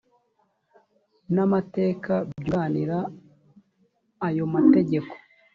n amateka byunganira ayo mategeko